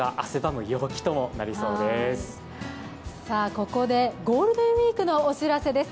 ここでゴールデンウイークのお知らせです。